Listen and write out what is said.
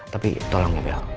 tapi tolong ya bel